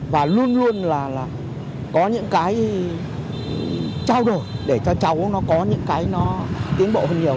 và luôn luôn là có những cái trao đổi để cho cháu nó có những cái nó tiến bộ hơn nhiều